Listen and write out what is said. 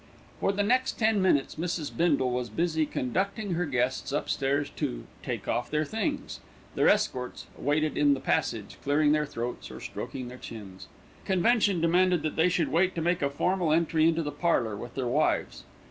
For the next ten minutes, Mrs. Bindle was busy conducting her guests upstairs to "take off their things." Their escorts waited in the passage, clearing their throats, or stroking their chins. Convention demanded that they should wait to make a formal entry into the parlour with their wives.